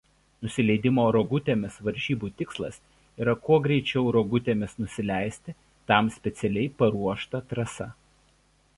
Nusileidimo rogutėmis varžybų tikslas yra kuo greičiau rogutėmis nusileisti tam specialiai paruošta trasa.